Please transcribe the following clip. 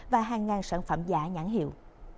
và hàng ngàn sản phẩm giả nhãn hiệu